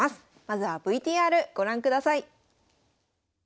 まずはＶＴＲご覧ください。